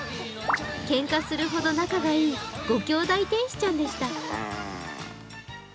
けんかするほど仲がいい５きょうだい天使ちゃんでした。